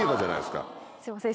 すいません。